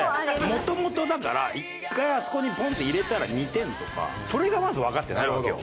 もともとだから１回あそこにポンって入れたら２点とかそれがまずわかってないわけよ